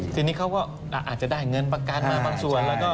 ทีนี้เขาก็อาจจะได้เงินประกันมาบางส่วน